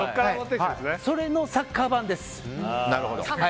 それのサッカー版です。